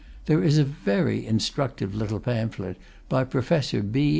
There is a very instructive little pamphlet by Professor B.